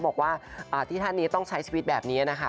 บอกว่าที่ท่านนี้ต้องใช้ชีวิตแบบนี้นะคะ